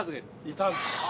いたんですよ。